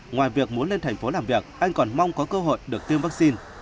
ngoài việc muốn lên thành phố làm việc anh còn mong có cơ hội được tiêm vaccine